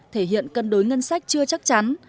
thể hiện cân đối ngân sách chưa chắc chắn